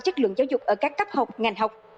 chất lượng giáo dục ở các cấp học ngành học